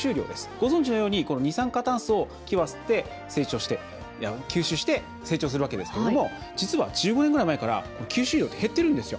ご存じのように二酸化炭素を木は吸って吸収して成長するわけですけれども実は１５年ぐらい前から吸収量減ってるんです。